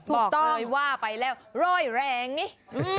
หมอบอกลอยว่าไปแล้วรอยแรงนี่